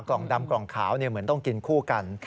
กล่องดำกล่องขาวเหมือนต้องกินคู่กัน